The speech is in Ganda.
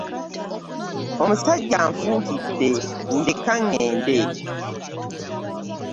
Omusajja anfuukidde ndeka ŋŋende.